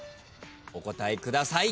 お答えください。